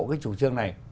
cái chủ trương này